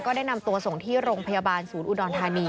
ได้นำตัวส่งที่โรงพยาบาลศูนย์อุดรธานี